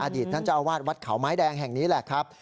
ท่านเจ้าอาวาสวัดเขาไม้แดงแห่งนี้แหละครับ